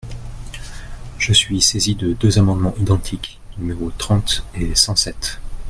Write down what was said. Je suis saisi de deux amendements identiques, numéros trente et cent sept.